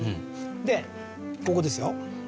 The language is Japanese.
でここですよ。